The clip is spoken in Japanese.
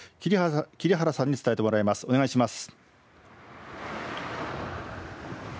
桐原さんに伝えてもらいます、お願いします。